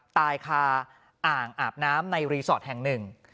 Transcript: ตายคาอ่างอาบน้ำในรีสอร์ทแห่งหนึ่ง